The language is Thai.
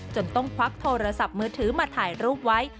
จนต้องควักโทรศัพท์มือถือมาถ่ายรูปไว้